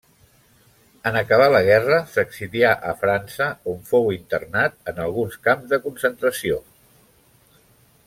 En acabar la guerra s'exilià a França, on fou internat en alguns camps de concentració.